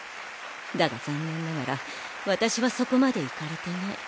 だが残念ながら私はそこまでイカれてない。